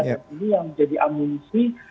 jadi yang jadi amunisi